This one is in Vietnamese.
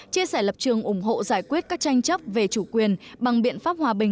chia sẻ lập trường ủng hộ giải quyết các tranh chấp